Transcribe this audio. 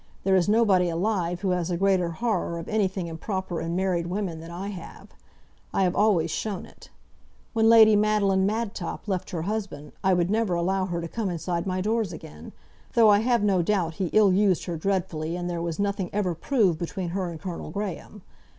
There is nobody alive who has a greater horror of anything improper in married women than I have. I have always shown it. When Lady Madeline Madtop left her husband, I would never allow her to come inside my doors again, though I have no doubt he ill used her dreadfully, and there was nothing ever proved between her and Colonel Graham.